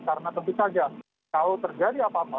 karena tentu saja kalau terjadi apa apa